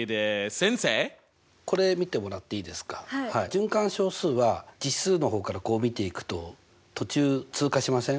循環小数は実数の方から見ていくと途中通過しません？